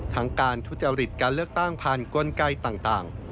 ทั้งการทุจริตการเลือกตั้งผ่านกลไกต่าง